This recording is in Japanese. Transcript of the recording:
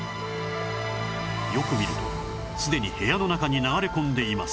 よく見るとすでに部屋の中に流れ込んでいます